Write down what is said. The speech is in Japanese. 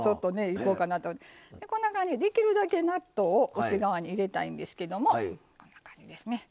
こんな感じでできるだけ納豆を内側に入れたいんですけどもこんな感じですね。